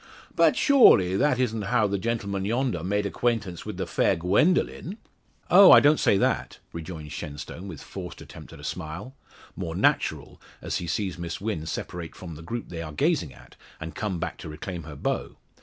"But, shawly, that isn't how the gentleman yondaw made acquaintance with the fair Gwendoline?" "Oh! I don't say that," rejoins Shenstone with forced attempt at a smile more natural, as he sees Miss Wynn separate from the group they are gazing at, and come back to reclaim her bow.